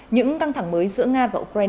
những căng thẳng mới giữa nga và ukraine